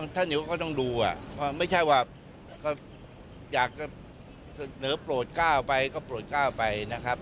ท่านอยู่ก็ต้องดูไม่ใช่ว่าก็อยากจะเสนอโปรดก้าวไปก็โปรดก้าวไปนะครับ